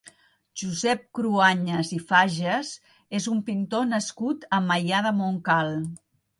Josep Cruañas i Fages és un pintor nascut a Maià de Montcal.